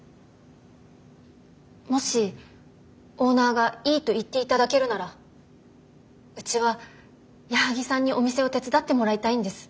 もしオーナーがいいと言っていただけるならうちは矢作さんにお店を手伝ってもらいたいんです。